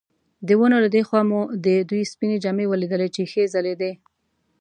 د ونو له دې خوا مو د دوی سپینې جامې ولیدلې چې ښې ځلېدې.